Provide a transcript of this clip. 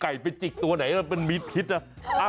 ไก่ไปจิกตัวไหนก็เป็นมีพิษนะ